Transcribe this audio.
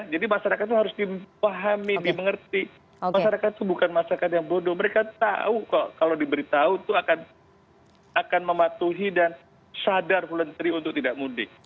jadi masyarakat itu harus dipahami dipengerti masyarakat itu bukan masyarakat yang bodoh mereka tahu kalau diberitahu itu akan mematuhi dan sadar voluntary untuk tidak mudik